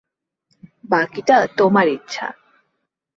বাকিটা তোমার ইচ্ছা।